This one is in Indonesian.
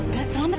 gak selamat mbak